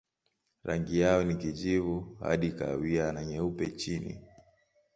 Rangi yao ni kijivu hadi kahawia na nyeupe chini.